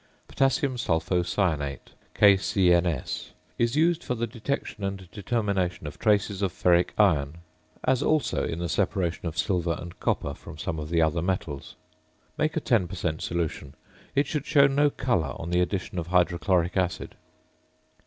~Potassium Sulphocyanate~ (KCNS) is used for the detection and determination of traces of ferric iron; as also in the separation of silver and copper from some of the other metals. Make a 10 per cent. solution. It should show no colour on the addition of hydrochloric acid.